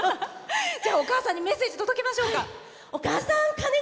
お母さんにメッセージ届けましょうか。